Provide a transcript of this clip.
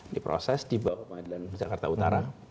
di proses di bawah pengadilan jakarta utara